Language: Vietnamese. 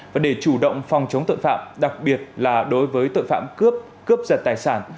và để chủ động phòng chống tội phạm đặc biệt là đối với tội phạm cướp cướp giật tài sản